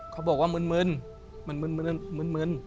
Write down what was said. เขาบอกว่ามึน